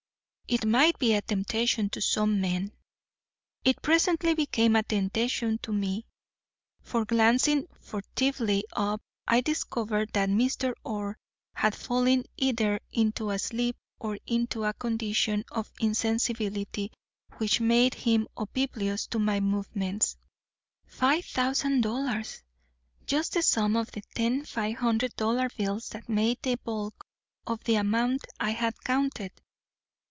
It might be a temptation to some men.' It presently became a temptation to me; for, glancing furtively up, I discovered that Mr. Orr had fallen either into a sleep or into a condition of insensibility which made him oblivious to my movements. Five thousand dollars! just the sum of the ten five hundred dollar bills that made the bulk of the amount I had counted.